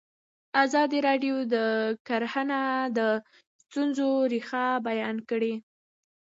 ازادي راډیو د کرهنه د ستونزو رېښه بیان کړې.